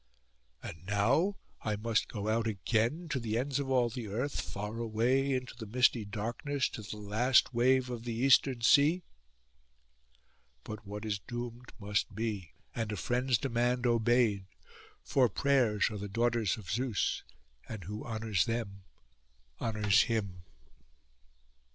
And now I must go out again, to the ends of all the earth, far away into the misty darkness, to the last wave of the Eastern Sea. But what is doomed must be, and a friend's demand obeyed; for prayers are the daughters of Zeus, and who honours them honours him.